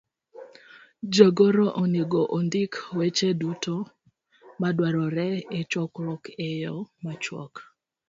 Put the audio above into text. Jagoro onego ondik weche duto madwarore e chokruok e yo machuok,